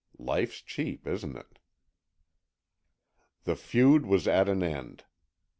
Life's cheap, isn't it? The feud was at an end.